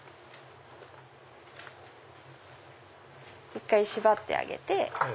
１回縛ってあげて。